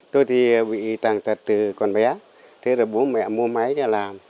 tôi thì bị tàn tật từ còn bé thế rồi bố mẹ mua máy ra làm